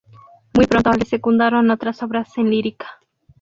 Muy pronto le secundaron otras obras en lírica.